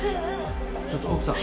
ちょっと奥さん。